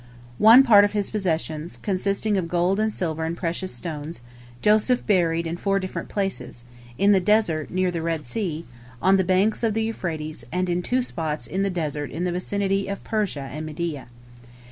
One part of his possessions, consisting of gold and silver and precious stones, Joseph buried in four different places, in the desert near the Red Sea, on the banks of the Euphrates, and in two spots in the desert in the vicinity of Persia and Media.